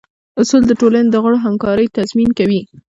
اصول د ټولنې د غړو همکارۍ تضمین کوي.